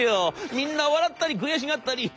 みんな笑ったり悔しがったり。